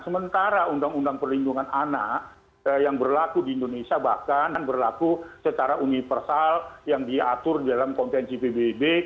sementara undang undang perlindungan anak yang berlaku di indonesia bahkan berlaku secara universal yang diatur dalam kontensi pbb